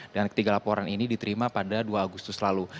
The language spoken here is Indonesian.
dan ketiga laporan ini diterima pada dua agustus lalu